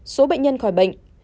số bệnh nhân khỏi bệnh